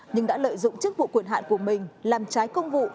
nhưng đã lợi dụng chức vụ quyền hạn của mình làm trái công vụ